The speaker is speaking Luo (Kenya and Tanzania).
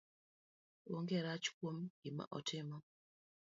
Onge rach kuom gima otimo